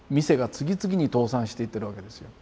次々に倒産していってるわけですよ。